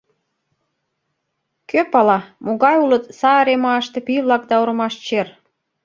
Кӧ пала, могай улыт Сааремааште пий-влак да орымаш чер!